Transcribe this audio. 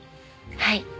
はい。